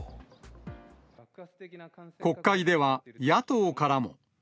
国会では、野党からも。